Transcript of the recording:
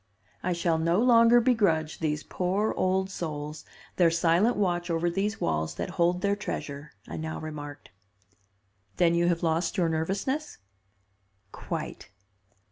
"I shall no longer begrudge these poor old souls their silent watch over these walls that hold their treasure," I now remarked. "Then you have lost your nervousness?" "Quite."